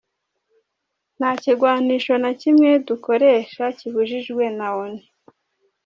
Nta kigwanisho na kimwe dukoresha kibujijwe na Onu.